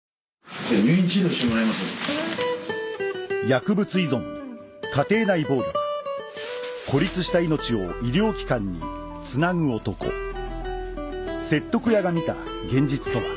薬物依存家庭内暴力孤立した命を医療機関につなぐ男説得屋が見た現実とは